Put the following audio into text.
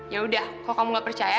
yaudah kok kamu gak percaya